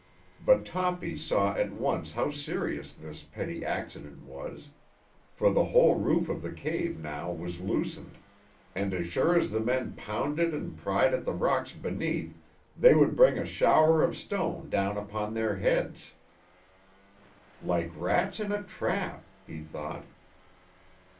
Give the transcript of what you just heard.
But Toppy saw at once how serious this petty accident was; for the whole roof of the cave now was loosened, and as sure as the men pounded and pried at the rocks beneath they would bring a shower of stone down upon their heads. "Like rats in a trap," he thought.